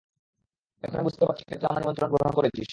এখন আমি বুঝতে পারছি কেন তুই আমার নিমন্ত্রণ গ্রহণ করেছিস!